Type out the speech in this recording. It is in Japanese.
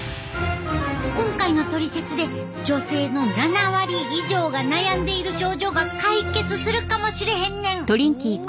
今回のトリセツで女性の７割以上が悩んでいる症状が解決するかもしれへんねん！